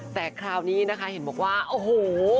แต่คราวนี้นะคะเห็นบอกว่าโอ้โห